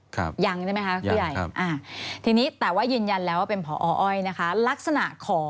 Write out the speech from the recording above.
ครับยังครับทีนี้แต่ว่ายืนยันแล้วว่าเป็นพออ้อยนะคะ